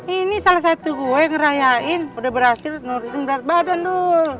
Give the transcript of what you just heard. ini salah satu gue ngerayain udah berhasil nurin berat badan dul